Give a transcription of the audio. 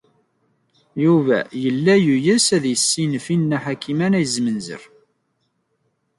Yuba yella yeɣs ad yessinef i Nna Ḥakima n At Zmenzer.